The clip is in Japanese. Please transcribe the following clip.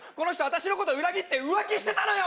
私のこと裏切って浮気してたのよ！